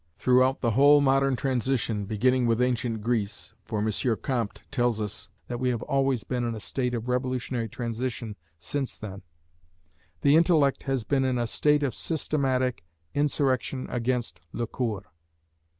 Throughout the whole modern transition, beginning with ancient Greece (for M. Comte tells us that we have always been in a state of revolutionary transition since then), the intellect has been in a state of systematic insurrection against "le coeur."